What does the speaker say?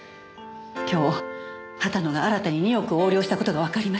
今日畑野が新たに２億を横領した事がわかりました。